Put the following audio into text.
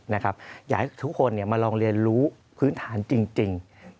อยากให้ทุกคนมาลองเรียนรู้พื้นฐานจริง